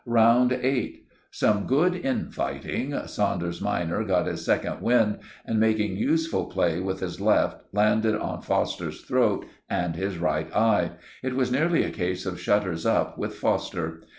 "Round 8.—Some good in fighting. Saunders minor got his second wind, and, making useful play with his left, landed on Foster's throat and his right eye. It was nearly a case of shutters up with Foster.